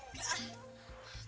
wih tapi engga